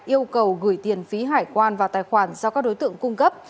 yêu cầu gửi tiền phí hải quan vào tài khoản do các đối tượng cung cấp